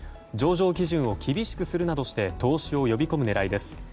上場基準を厳しくするなどして投資を呼び込む狙いです。